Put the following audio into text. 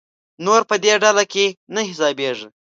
نور په دې ډله کې نه حسابېږي.